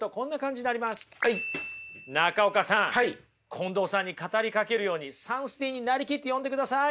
近藤さんに語りかけるようにサンスティーンに成りきって読んでください。